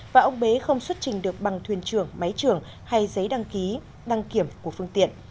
và ông bế không xuất trình được bằng thuyền trưởng máy trưởng hay giấy đăng ký đăng kiểm của phương tiện